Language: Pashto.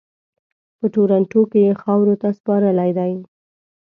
په ټورنټو کې یې خاورو ته سپارلی دی.